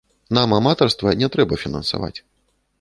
Нам аматарства не трэба фінансаваць.